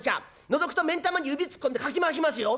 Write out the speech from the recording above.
のぞくと目ん玉に指突っ込んでかき回しますよ」。